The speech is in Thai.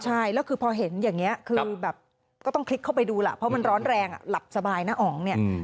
ใช่แล้วคือพอเห็นอย่างนี้คือแบบก็ต้องคลิกเข้าไปดูล่ะเพราะมันร้อนแรงหลับสบายนะอ๋องเนี่ย